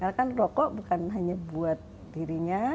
karena kan rokok bukan hanya buat dirinya